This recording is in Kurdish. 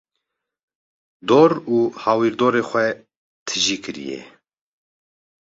dor û hawirdorê xwe tijî kiriye.